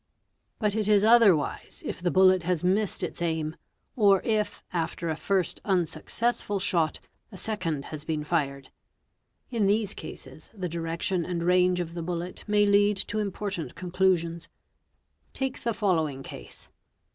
But it is otherwise if the bullet has missed its aim, or if after a first unsuccessful shot a second has been fired; in these cases the direction and range of the bullet may lead to important conclusions ®", Take the following case.